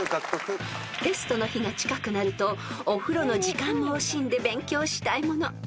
［テストの日が近くなるとお風呂の時間も惜しんで勉強したいもの］